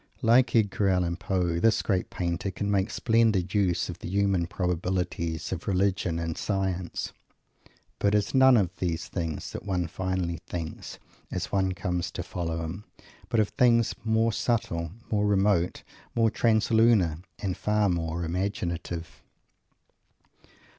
Like Edgar Allan Poe, this great painter can make splendid use of the human probabilities of Religion and Science; but it is none of these things that one finally thinks, as one comes to follow him, but of things more subtle, more remote, more translunar, and far more imaginative.